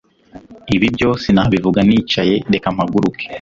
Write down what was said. ibibyo sinabivuga nicaye reka mpaguruke